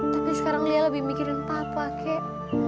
tapi sekarang lia lebih mikirin papa kek